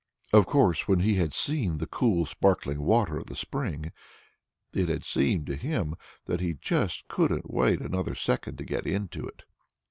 Of course, when he had seen the cool, sparkling water of the spring, it had seemed to him that he just couldn't wait another second to get into it.